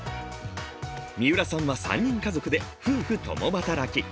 三浦さんは３人家族で夫婦共働き。